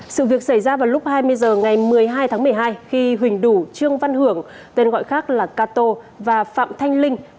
sự việc xảy ra vào lúc hai mươi h ngày một mươi hai tháng một mươi hai khi huỳnh đủ trương văn hưởng tên gọi khác là cato và phạm thanh linh